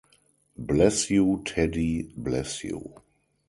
Bless you, Teddy, bless you!